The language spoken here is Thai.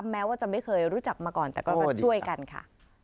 แม้ว่าจะไม่เคยรู้จักมาก่อนแต่ก็ช่วยกันค่ะ